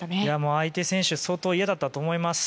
相手選手相当嫌だったと思います。